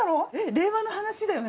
令和の話だよね？